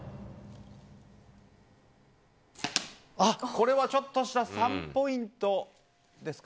これはちょっと下３ポイントですか？